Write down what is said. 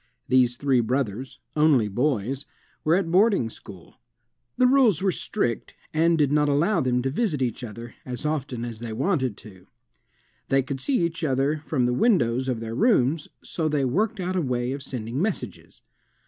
These three brothers, only boys, were at boarding school. The rules were strict, and did not allow them to visit each other as often as they wanted to. They could see each other from the windows of their rooms so they worked out a way of sending messages.